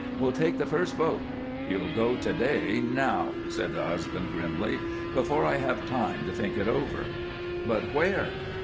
"We'll take the first boat " "You'll go to day, now," said the husband, grimly, "before I have time to think it over." "But where?"